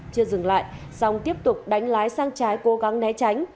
chưa dừng lại song tiếp tục đánh lái sang trái cố gắng né tránh